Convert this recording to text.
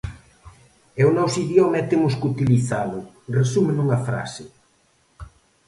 "É o noso idioma e temos que utilizalo", resume nunha frase.